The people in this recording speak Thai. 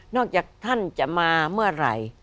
จากท่านจะมาเมื่อไหร่